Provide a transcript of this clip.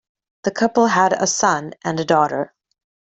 The couple had a son and a daughter.